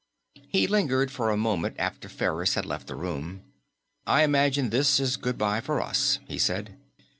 He lingered for a moment after Ferris had left the room. "I imagine this is goodbye for us," he said.